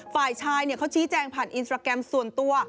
ฝ่ายชายเขาชี้แจงผ่านอินสตราแกรมส่วนตัว